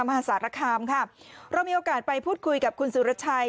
มหาสารคามค่ะเรามีโอกาสไปพูดคุยกับคุณสุรชัย